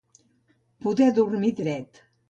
Poder dormir dret.